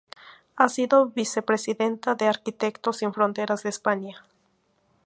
Ha sido vice-presidenta de Arquitectos Sin Fronteras de España.